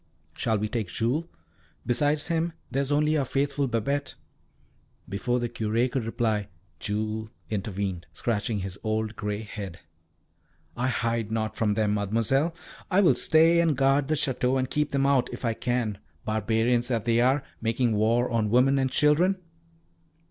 "Shall we take Jules? Besides him, there is only our faithful Babette." Before the Curé could reply Jules intervened, scratching his old grey head. "I hide not from them, Mademoiselle; I will stay and guard the Château and keep them out, if I can, barbarians that they are, making war on women and children."